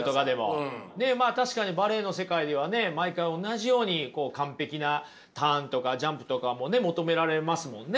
確かにバレエの世界ではね毎回同じように完璧なターンとかジャンプとかもね求められますもんね。